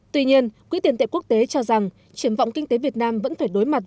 tuy nhiên quỹ tiền tệ quốc tế cho rằng triển vọng kinh tế việt nam vẫn phải đối mặt